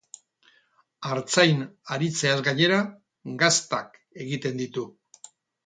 Artzain aritzeaz gainera, gaztak egiten ditu.